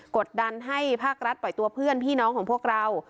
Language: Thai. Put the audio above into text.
กดดันให้ภาครัฐปล่อยตัวเพื่อนพี่น้องของพวกเรา